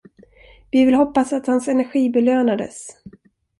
Vi vill hoppas att hans energi belönades.